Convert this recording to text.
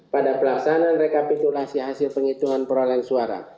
pada pelaksanaan rekapitulasi hasil penghitungan perolahan suara